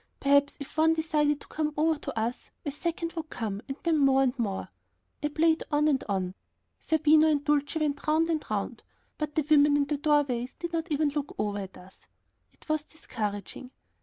Perhaps if one decided to come over to us, a second would come, then more and more. I played on and on, Zerbino and Dulcie went round and round, but the women in the doorways did not even look over at us. It was discouraging.